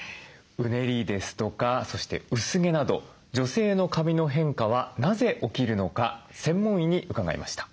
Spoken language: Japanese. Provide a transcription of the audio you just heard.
うねりですとかそして薄毛など女性の髪の変化はなぜ起きるのか専門医に伺いました。